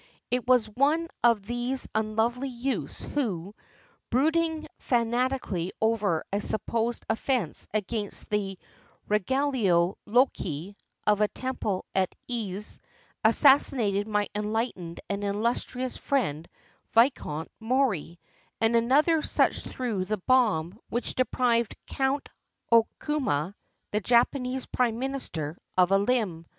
It was one of these unlovely youths who, brooding fanatically over a sup posed offense against the religio loci of a temple at Ise, assassinated my enlightened and illustrious friend Viscount Mori; and another such threw the bomb which deprived Count Okuma, the Japanese Prime Minister, of a limb.